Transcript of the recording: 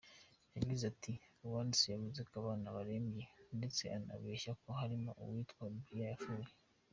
Yagize ati “ Uwanditse yavuze ko abana barembye, ndetse anabeshya ko harimo uwitwa Brian wapfuye.